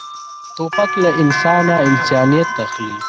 توپک له انسانه انسانیت اخلي.